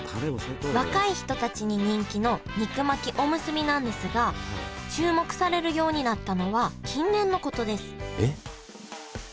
若い人たちに人気の肉巻きおむすびなんですが注目されるようになったのは近年のことです